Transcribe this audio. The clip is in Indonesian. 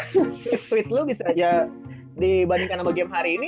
tweet lu bisa dibandingkan sama game hari ini